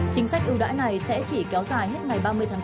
chính sách ưu đãi này sẽ chỉ kéo dài hết ngày ba mươi tháng bốn